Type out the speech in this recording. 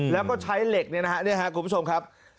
แล้วก็ใช้เหล็กนี่นะครับคุณผู้ชมครับ